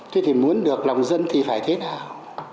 thế thì muốn được lòng dân thì phải thế nào